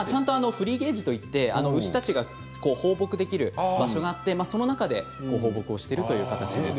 フリーゲージといって牛たちを放牧できる場所があってその中で放牧をしているんだそうです。